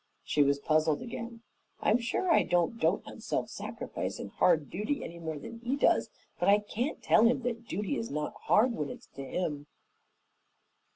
She was puzzled again. "I'm sure I don't dote on self sacrifice and hard duty any more than he does, but I can't tell him that duty is not hard when it's to him."